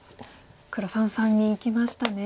黒三々にいきましたね。